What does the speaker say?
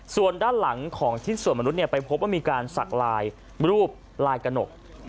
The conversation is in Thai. ส่วนด้านหลังของชิ้นส่วนมนุษย์ไปพบว่ามีการสักลายรูปลายกระหนก